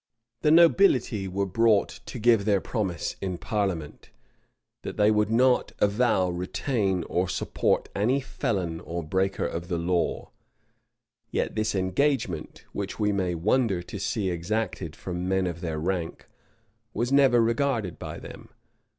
The nobility were brought to give their promise in parliament, that they would not avow retain, or support any felon or breaker of the law;[*] yet this, engagement, which we may wonder to see exacted from men of their rank, was never regarded by them.